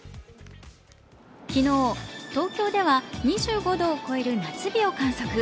昨日、東京では２５度を超える夏日を観測。